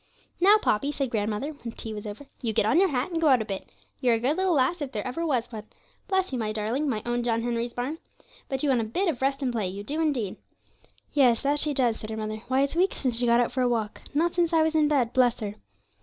'Now, Poppy,' said grandmother, when tea was over, 'you get on your hat, and go out a bit. You're a good little lass if ever there was one bless you, my darling, my own John Henry's bairn! But you want a bit of rest and play, you do indeed.' 'Yes, that she does,' said her mother. 'Why, it's weeks since she got out for a walk not since I was in bed, bless her!'